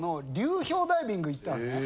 行ったんですね。